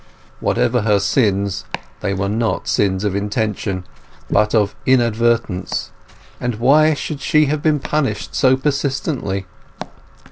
Whatever her sins, they were not sins of intention, but of inadvertence, and why should she have been punished so persistently?